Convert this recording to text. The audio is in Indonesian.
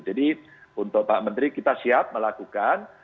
jadi untuk pak menteri kita siap melakukan